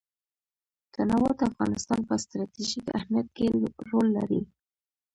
تنوع د افغانستان په ستراتیژیک اهمیت کې رول لري.